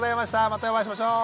またお会いしましょう。